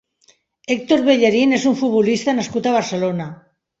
Héctor Bellerín és un futbolista nascut a Barcelona.